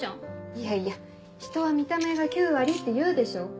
いやいや人は見た目が９割っていうでしょ。